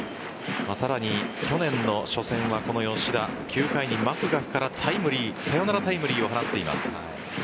さらに去年の初戦はこの吉田９回にマクガフからサヨナラタイムリーを放っています。